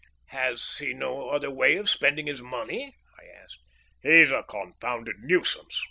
"Has he no other way of spending his money?" I asked. "He's a confounded nuisance!"